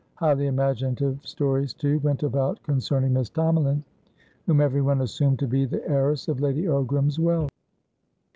Highly imaginative stories, too, went about concerning Miss Tomalin, whom everyone assumed to be the heiress of Lady Ogram's wealth.